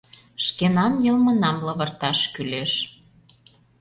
Шкенан йылмынам лывырташ кӱлеш.